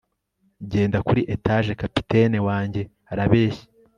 Genda kuri etage Kapiteni wanjye arabeshya